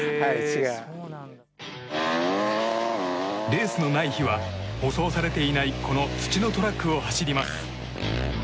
レースのない日は舗装されていないこの土のトラックを走ります。